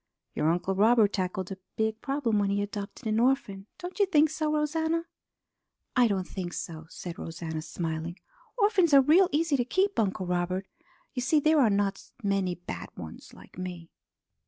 Your Uncle Robert tackled a big problem when he adopted an orphan, don't you think so, Rosanna?" "I don't think so," said Rosanna, smiling. "Orphans are real easy to keep, Uncle Robert. You see there are not many bad ones like me."